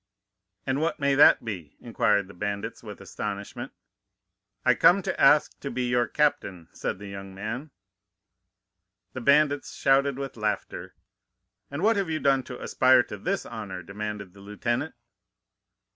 "'And what may that be?' inquired the bandits with astonishment. "'I come to ask to be your captain,' said the young man. "The bandits shouted with laughter. "'And what have you done to aspire to this honor?' demanded the lieutenant.